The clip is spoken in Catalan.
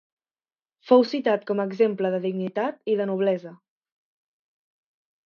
Fou citat com a exemple de dignitat i de noblesa.